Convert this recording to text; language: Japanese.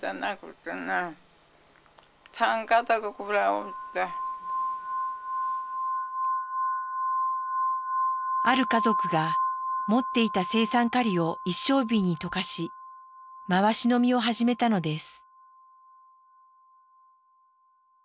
それで今ある家族が持っていた青酸カリを一升瓶に溶かし回し飲みを始めたのです。